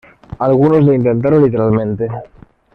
Algunos lo intentaron literalmente.